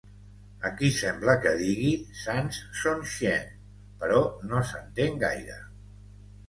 Aquí sembla que digui “sans son chien”, però no s'entén gaire.